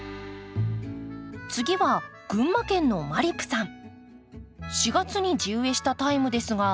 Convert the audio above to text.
次は群馬県のまりぷさん。